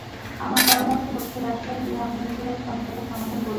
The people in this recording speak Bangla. আমার পরামর্শ হচ্ছে রাশিয়ায় গিয়ে আমরা নিজেরাই সমস্যাটার সমাধান করি।